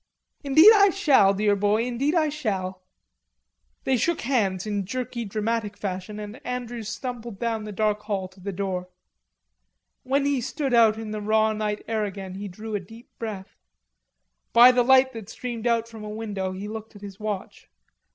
"Indeed I shall, dear boy, indeed I shall." They shook hands in jerky dramatic fashion and Andrews stumbled down the dark hall to the door. When he stood out in the raw night air again he drew a deep breath. By the light that streamed out from a window he looked at his watch.